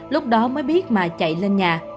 lúc đó mới biết mà chạy lên nhà